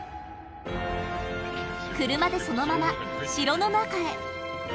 車でそのまま城の中へ。